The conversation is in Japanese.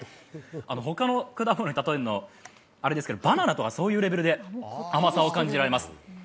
他の果物に例えるのあれですけどバナナとかそういうレベルで甘さを感じられます。